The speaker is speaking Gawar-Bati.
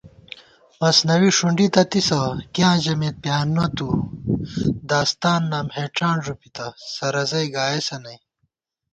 مثنَوی ݭُنڈِی تہ تِسہ، کِیاں ژَمېت پِیانہ تُو * داستان نام ہېڄان ݫُوپِتہ، سرَزَئی گائیسہ نئ